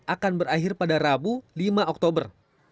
akan berakhir pada rabu lima oktober